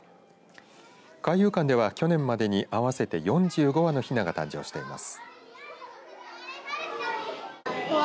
海遊館では去年までに合わせて４５羽のひなが誕生しています。